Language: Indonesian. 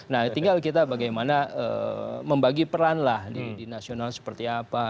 nah tinggal kita bagaimana membagi peran lah di nasional seperti apa